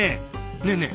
ねえねえ